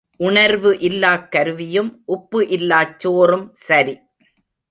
உணர்வு இல்லாக் கருவியும் உப்பு இல்லாச் சோறும் சரி.